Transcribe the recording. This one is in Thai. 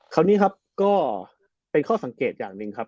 คราวนี้ครับก็เป็นข้อสังเกตอย่างหนึ่งครับ